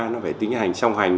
nó phải tính hành song hành